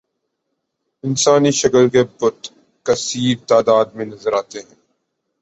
انسانی شکل کے بت کثیر تعداد میں نظر آتے ہیں